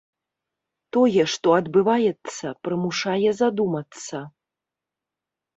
Тое, што адбываецца, прымушае задумацца.